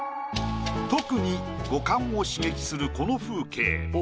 特に五感を刺激するこの風景。